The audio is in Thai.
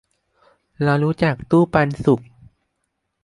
เรารู้จักตู้ปันสุข